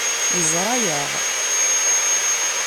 Yeẓra-aɣ.